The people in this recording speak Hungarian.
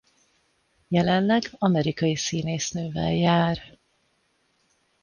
Jelenleg amerikai színésznővel jár.